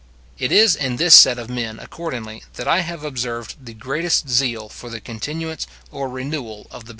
It is in this set of men, accordingly, that I have observed the greatest zeal for the continuance or renewal of the bounty.